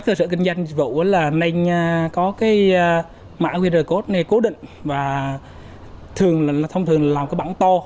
cơ sở kinh doanh dịch vụ là nên có cái mã qr code này cố định và thông thường làm cái bảng to